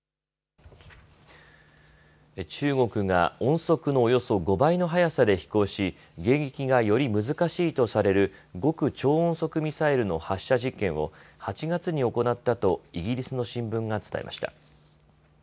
中国が音速のおよそ５倍の速さで飛行し、迎撃がより難しいとされる極超音速ミサイルの発射実験を８月に行ったとイギリスの新聞が伝えました。